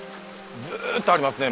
ずっとありますね